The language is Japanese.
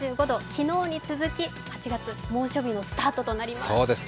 昨日に続き８月猛暑日のスタートとなります、暑いです。